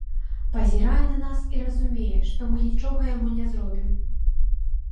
Пазірае на нас і разумее, што мы нічога яму не зробім.